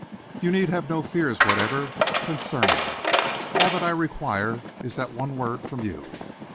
You need have no fears whatever concerning it. All that I require is that one word from you."